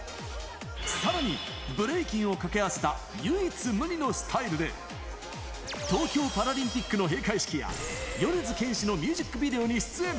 さらにブレイキンを掛け合わせた唯一無二のスタイルで、東京パラリンピックの閉会式や、米津玄師のミュージックビデオに出演。